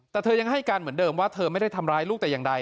แต่เธอยังให้การเหมือนเดิมว่าเธอไม่ได้ทำร้ายลูกแต่อย่างใด